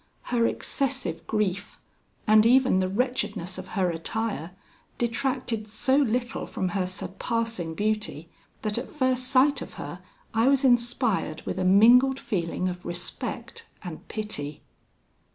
Her excessive grief, and even the wretchedness of her attire, detracted so little from her surpassing beauty, that at first sight of her I was inspired with a mingled feeling of respect and pity.